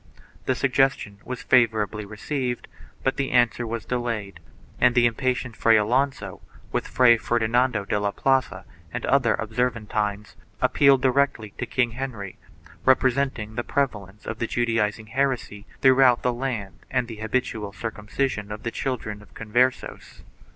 The suggestion was favorably received but the answer was delayed, and the impatient Fray Alonso, with Fray Fernando de la Plaza and other Observantines, appealed directly to King Henry, representing the prevalence of the Judaizing heresy throughout the land and the habitual circumcision of the children of Con versos.